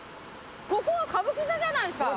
ここは歌舞伎座じゃないですか。